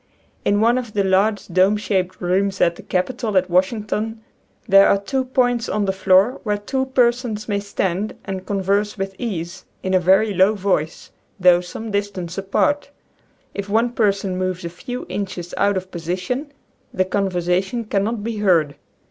In one of the large dome shaped rooms at the capitol at Washington there are two points on the floor where two persons may stand and converse with ease, in a very low voice, though some distance apart. If one person moves a few inches out of position the conversation cannot be heard.